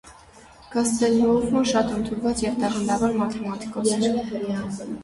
Կաստելնուովոն շատ ընդունված և տաղանդավոր մաթեմատիկոս էր։